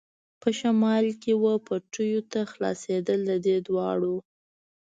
په شمال کې وه پټیو ته خلاصېدل، د دې دواړو.